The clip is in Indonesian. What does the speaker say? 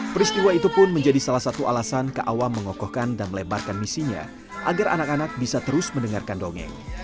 peristiwa itu pun menjadi salah satu alasan kaawam mengokohkan dan melebarkan misinya agar anak anak bisa terus mendengarkan dongeng